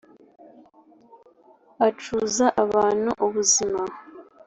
acuza abantu ubuzima.